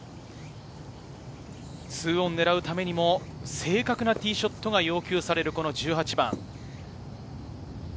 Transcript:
２オン狙うためにも、正確なティーショットが要求される１８番。